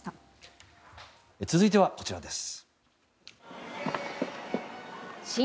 続いてはこちらです。